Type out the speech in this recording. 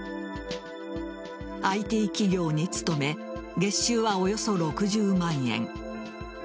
ＩＴ企業に勤め月収はおよそ６０万円。